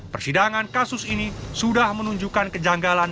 persidangan kasus ini sudah menunjukkan kejanggalan